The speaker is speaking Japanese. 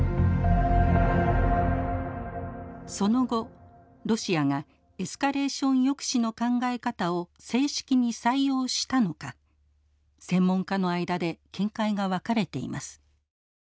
その後ロシアがエスカレーション抑止の考え方を正式に採用したのか専門家の間で見解が分かれています。